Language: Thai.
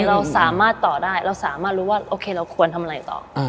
เราสามารถต่อได้เราสามารถรู้ว่าโอเคเราควรทำอะไรต่อ